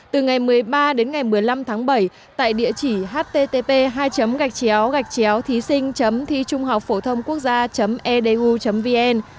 từ ngày một mươi ba đến ngày một mươi năm tháng bảy tại địa chỉ http thising thichunghocphothongquocgia edu vn